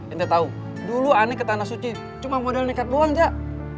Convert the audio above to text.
kita tahu dulu aneh ke tanah suci cuma modal nekat doang jak